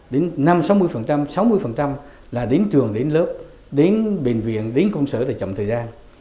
đến năm sáu mươi sáu mươi là đến trường đến lớp đến bệnh viện đến công sở để chậm thời gian